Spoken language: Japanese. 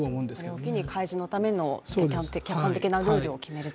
これを機に開示のための客観的なルールを決めると。